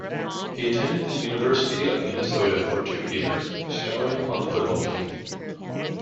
He attended the University of Minnesota for two years, starring on the football team.